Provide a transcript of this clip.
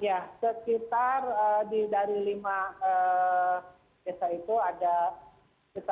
ya sekitar dari lima desa itu ada sekitar dua enam ratus